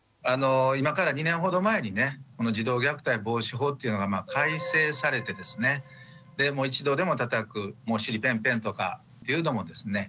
今から２年ほど前にね児童虐待防止法っていうのがまあ改正されてですねで１度でもたたくお尻ぺんぺんとかっていうのもですね